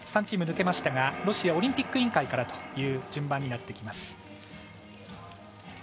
３チーム抜けましたがロシアオリンピック委員会からという順番になってきます。